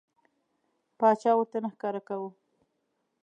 باچا ورته نه ښکاره کاوه.